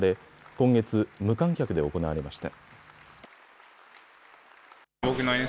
今月、無観客で行われました。